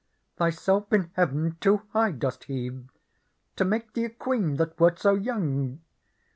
Thyself in heaven too high dost heave. To make thee a queen, that wert so young.